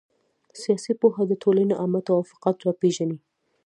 سياسي پوهه د ټولني عامه توافقات را پېژني.